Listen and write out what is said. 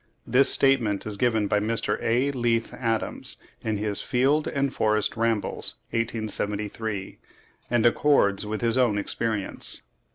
This statement is given by Mr. A. Leith Adams, in his 'Field and Forest Rambles,' 1873, p. 76, and accords with his own experience.)